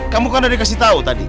kamu kan udah dikasih tahu tadi